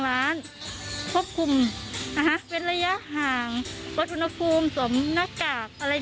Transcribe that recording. ร้านควบคุมอ่ะฮะเวทระยะห่างรถอุณหภูมิสมหน้ากากอะไรอย่าง